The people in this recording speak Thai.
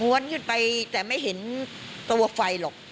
ขึ้นไปแต่ไม่เห็นตัวไฟหรอก